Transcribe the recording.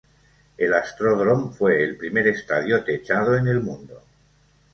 El Astrodome fue el primer estadio techado en el mundo.